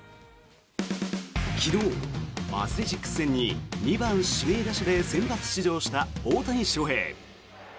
昨日、アスレチックス戦に２番指名打者で先発出場した大谷翔平。